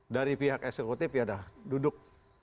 dari pihak eksekutif ya sudah duduk